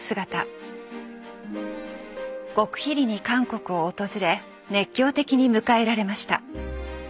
極秘裏に韓国を訪れ熱狂的に迎えられました。